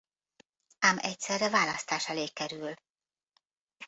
Ám egyszerre választás elé kerül.